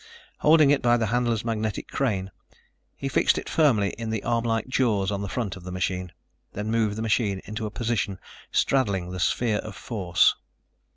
Holding it by the handler's magnetic crane, he fixed it firmly in the armlike jaws on the front of the machine, then moved the machine into a position straddling the sphere of force.